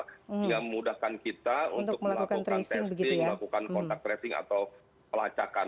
sehingga memudahkan kita untuk melakukan testing melakukan kontak tracing atau pelacakan